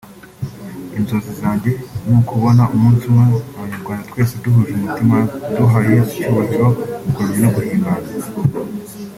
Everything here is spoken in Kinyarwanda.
“Inzozi zanjye ni ukubona umunsi umwe abanyarwanda twese duhuje umutima duha Yesu icyubahiro mu kuramya no guhimbaza